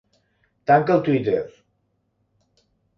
Tanca el twitter.